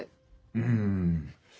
うん。